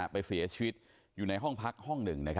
ไปเสียชีวิตอยู่ในห้องพักห้องหนึ่ง